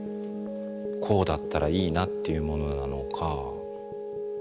こうだったらいいなっていうものなのか。